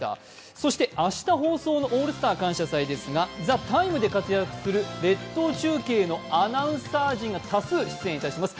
明日放送の「オールスター感謝祭」ですが、「ＴＨＥＴＩＭＥ，」で活躍する列島中継のアナウンサー陣も多数、出演いたします。